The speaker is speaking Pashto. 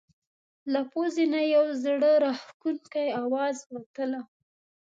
له پزې نه یو زړه راښکونکی اواز وتله.